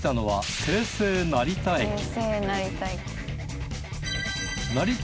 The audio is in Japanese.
はい。